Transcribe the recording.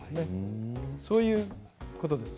そういうことです。